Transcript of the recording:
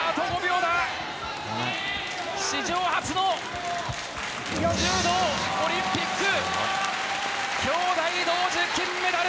史上初の柔道オリンピック兄妹同時金メダル！